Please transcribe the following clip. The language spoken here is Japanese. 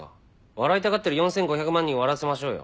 笑いたがってる４，５００万人を笑わせましょうよ。